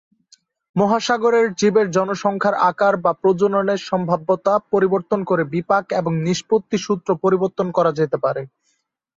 মহাসাগরের জীবের জনসংখ্যার আকার বা প্রজননের সম্ভাব্যতা পরিবর্তন করে বিপাক এবং নিষ্পত্তি সূত্র পরিবর্তন করা যেতে পারে।